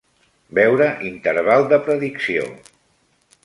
Veure interval de predicció.